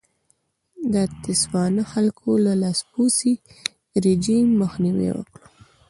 د تسوانا خلکو د لاسپوڅي رژیم مخنیوی وکړ.